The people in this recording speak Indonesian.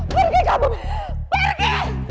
pergi kamu pergi